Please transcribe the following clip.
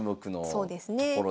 そうですね。